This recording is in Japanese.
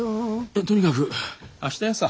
とにかく明日やさ。